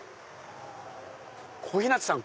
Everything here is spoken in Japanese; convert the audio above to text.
小日向さん